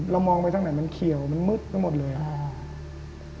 เรามองไปซักไหนมันเขียวมันมืดก็หมดเลยอะ